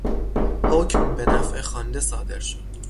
حکم به نفع خوانده صادر شد.